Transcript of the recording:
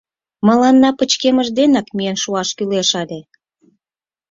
Мыланна пычкемыш денак миен шуаш кӱлеш ыле!»